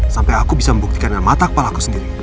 sampai aku bisa membuktikan dengan mata kepala aku sendiri